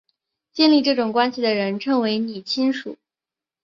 建立这种关系的人称为拟亲属。